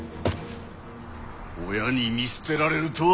親に見捨てられるとは。